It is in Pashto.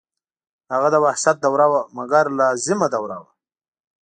هغه د وحشت دوره وه مګر لازمه دوره وه.